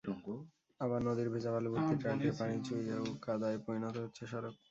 আবার নদীর ভেজা বালুভর্তি ট্রাক থেকে পানি চুইয়েও কাদায় পরিণত হচ্ছে সড়ক।